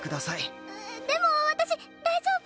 でも私大丈夫。